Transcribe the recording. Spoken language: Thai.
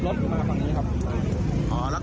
กลับรถมาข้างนี้ครับ